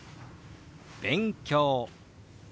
「勉強」。